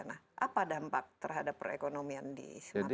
apa dampak terhadap perekonomian di sumatera barat